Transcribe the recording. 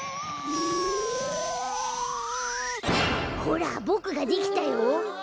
ほらボクができたよ！